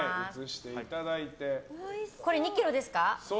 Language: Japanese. これ、２ｋｇですか。